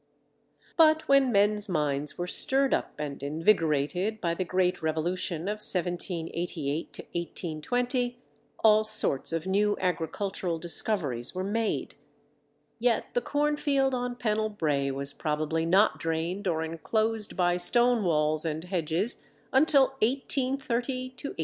But when men's minds were stirred up and invigorated by the great Revolution of 1788 1820, all sorts of new agricultural discoveries were made. Yet the cornfield on Pennell Brae was probably not drained or enclosed by stone walls and hedges until 1830 to 1840!